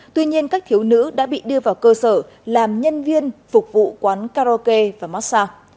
tuy nhiên các thiếu nữ đã bị đưa vào cơ sở làm nhân viên phục vụ quán karaoke và massage